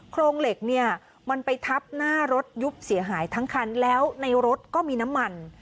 โครงเหล็กเนี่ยมันไปทับหน้ารถยุบเสียหายทั้งคันแล้วในรถก็มีน้ำมัน